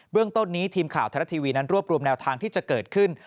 เรื่องต้นนี้ทีมข่าวไทยรัฐทีวีนั้นรวบรวมแนวทางที่จะเกิดขึ้น